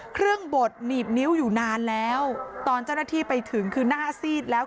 บดหนีบนิ้วอยู่นานแล้วตอนเจ้าหน้าที่ไปถึงคือหน้าซีดแล้ว